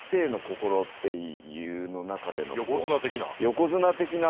横綱的な？